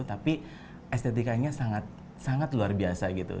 tapi estetikanya sangat luar biasa gitu